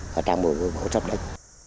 và trang bộ bổ chốc đấy